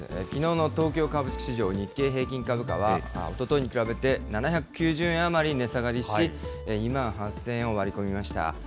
きのうの東京株式市場、日経平均株価はおとといに比べて７９０円余り値下がりし、２万８０００円を割り込みました。